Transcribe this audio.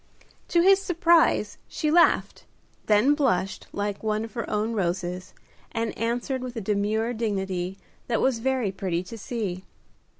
To his surprise, she laughed, then blushed like one of her own roses, and answered with a demure dignity that was very pretty to see.